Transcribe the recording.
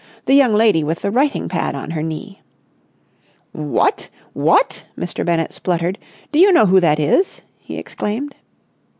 The young lady with the writing pad on her knee." "What! What!" Mr. Bennett spluttered. "Do you know who that is?" he exclaimed.